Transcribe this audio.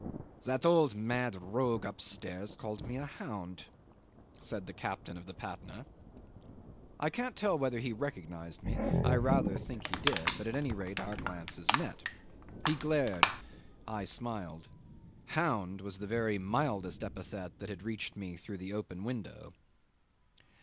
"That old mad rogue upstairs called me a hound," said the captain of the Patna. I can't tell whether he recognised me I rather think he did; but at any rate our glances met. He glared I smiled; hound was the very mildest epithet that had reached me through the open window.